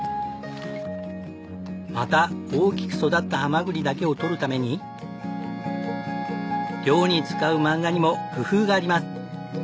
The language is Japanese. また大きく育ったハマグリだけを獲るために漁に使うマンガにも工夫があります。